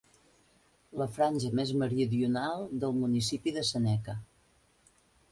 La franja més meridional del Municipi de Seneca.